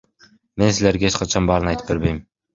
Мен силерге эч качан баарын айтып бербейм.